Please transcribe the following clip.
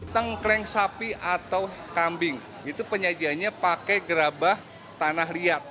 tengkleng sapi atau kambing itu penyajiannya pakai gerabah tanah liat